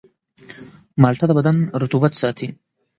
مالټه د بدن رطوبت ساتي.